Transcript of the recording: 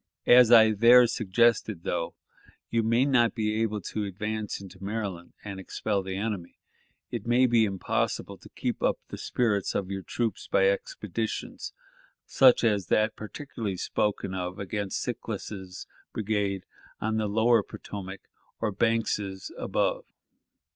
As I there suggested, though you may not be able to advance into Maryland and expel the enemy, it may be possible to keep up the spirits of your troops by expeditions such as that particularly spoken of against Sickles's brigade on the lower Potomac, or Banks's above.